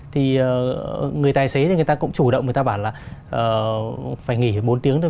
thì người tài xế thì người ta cũng chủ động người ta bảo là phải nghỉ bốn tiếng thôi